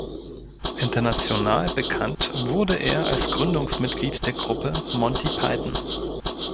International bekannt wurde er als Gründungsmitglied der Gruppe Monty Python.